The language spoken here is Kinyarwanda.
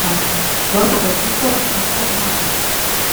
bavugaga ko akunda Imana